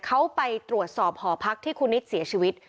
เขาไปตรวจสอบหอพักที่คุณนิดเสียชีวิต